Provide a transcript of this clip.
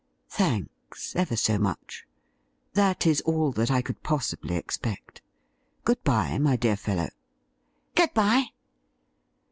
'Thanks, ever so much. That is all that I could possibly expect. Good bye, my dear fellow.' ' Good bye.'